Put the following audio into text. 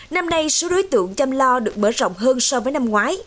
năm nay số đối tượng chăm lo được mở rộng hơn so với năm ngoái